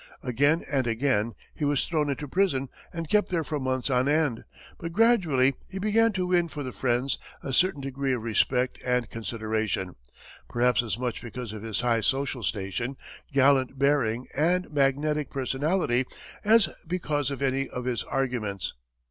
Again and again, he was thrown into prison and kept there for months on end, but gradually he began to win for the Friends a certain degree of respect and consideration, perhaps as much because of his high social station, gallant bearing and magnetic personality, as because of any of his arguments.